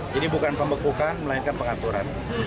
jadi bukan pembekukan melainkan pengaturan